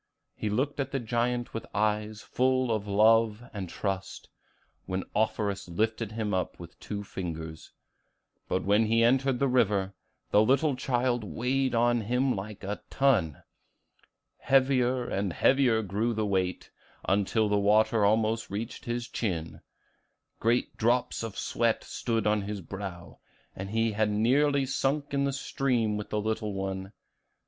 He looked at the giant with eyes full of love and trust, and Offerus lifted him up with two fingers; but when he entered the river, the little child weighed on him like a ton. Heavier and heavier grew the weight, until the water almost reached his chin; great drops of sweat stood on his brow, and he had nearly sunk in the stream with the little one.